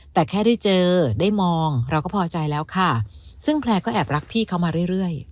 แต่แค่ได้เจอได้มองเราก็พอใจแล้วค่ะซึ่งแพลร์ก็แอบรักพี่เขามาเรื่อย